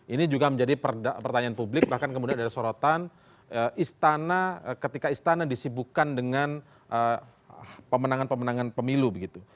ini juga menjadi pertanyaan publik bahkan kemudian ada sorotan istana ketika istana disibukan dengan pemenangan pemenangan pemilu begitu